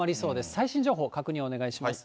最新情報、確認お願いします。